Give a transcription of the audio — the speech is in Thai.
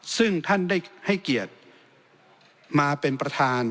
ซึ่งท่านได้ให้เกียรติมาเป็นประธาน